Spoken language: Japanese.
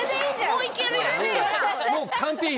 もういけるよ。